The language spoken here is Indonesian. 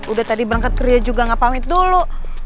udah tadi berangkat kerja juga gak pamit dulu